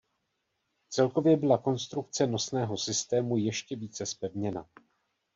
Celkově byla konstrukce nosného systému ještě více zpevněna.